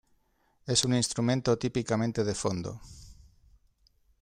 Es un instrumento típicamente de fondo.